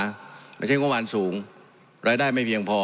อย่างเช่นว่าวานสูงรายได้ไม่เพียงพอ